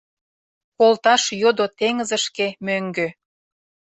Колташ йодо теҥызышке мӧҥгӧ